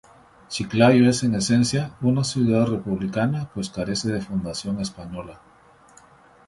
Chiclayo es en esencia una ciudad republicana pues carece de fundación española.